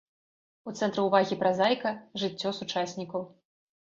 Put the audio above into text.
У цэнтры ўвагі празаіка жыццё сучаснікаў.